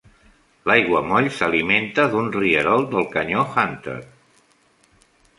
L'aiguamoll s'alimenta d'un rierol del canyó Hunter.